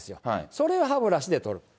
それを歯ブラシで取る。